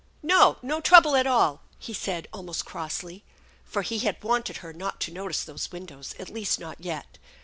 " No, no trouble at all/' said he almost crossly ; for he had wanted her not to notice those windows, at least not yet.